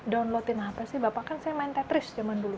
download ini apa sih bapak kan saya main tetris zaman dulu